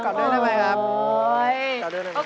กอดด้วยได้ไหมครับ